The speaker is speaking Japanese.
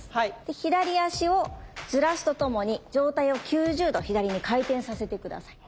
左足をずらすとともに上体を９０度左に回転させて下さい。